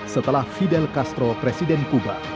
setelah fidel castro presiden kuba